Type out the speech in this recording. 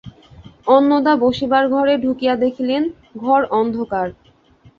অন্নদা বসিবার ঘরে ঢুকিয়া দেখিলেন, ঘর অন্ধকার।